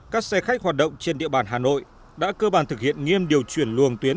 các xe khách hoạt động trên địa bàn hà nội đã cơ bản thực hiện nghiêm điều chuyển luồng tuyến